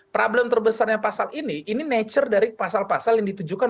problem terbesarnya pasal ini ini nature dari pasal pasal yang ditujukan